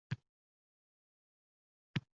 va shu sabab uning tasarrufi nojo‘ya bo‘ladi.